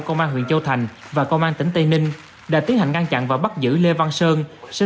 công an huyện châu thành và công an tỉnh tây ninh đã tiến hành ngăn chặn và bắt giữ lê văn sơn sinh